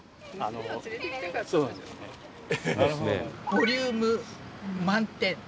ボリューム満点。